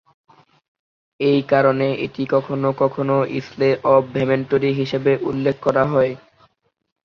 এই কারণে, এটি কখনও কখনও "ইস্লে অব ভেমেন্টরি" হিসাবে উল্লেখ করা হয়।